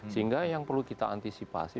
sehingga yang perlu kita antisipasi